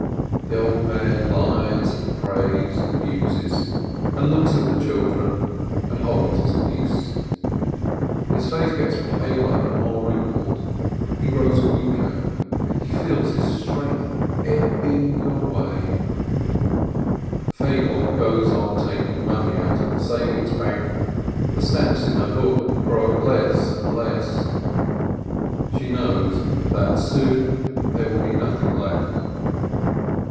The old man lies and prays and muses, and looks at the children, and holds his peace. His face gets paler and more wrinkled, he grows weaker, he feels his strength ebbing away. A SIMPLE STORY 505 Feigele goes on taking money out of the savings bank, the stamps in her book grow less and less, she knows that soon there will be nothing left.